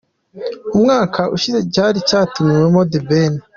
Umwaka ushize cyari cyatumiwemo The Ben.